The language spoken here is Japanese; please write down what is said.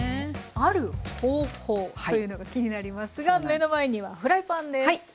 ある方法というのが気になりますが目の前にはフライパンです。